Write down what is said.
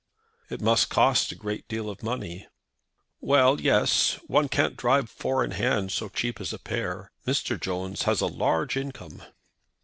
"It must cost a great deal of money?" "Well, yes. One can't drive four in hand so cheap as a pair. Mr. Jones has a large income."